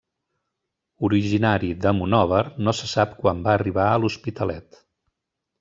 Originari de Monòver, no se sap quan va arribar a l'Hospitalet.